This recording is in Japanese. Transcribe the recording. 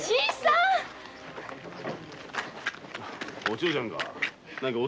おちよちゃんか。